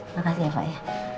makasih ya pak ya